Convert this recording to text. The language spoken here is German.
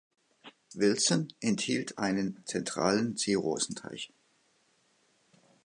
Wilson enthielt einen zentralen Seerosenteich.